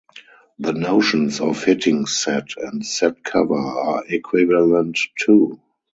The notions of hitting set and set cover are equivalent too.